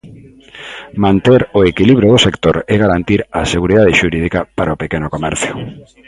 Manter "o equilibrio do sector" e garantir a "seguridade xurídica" para o pequeno comercio.